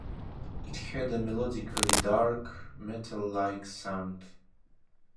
It had a melodically dark, metal-like sound.